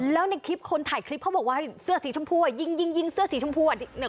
แล้วในคลิปคนถ่ายคลิปเขาบอกว่าเสื้อสีชมพูยิงยิงเสื้อสีชมพู